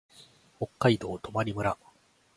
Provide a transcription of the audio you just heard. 北海道泊村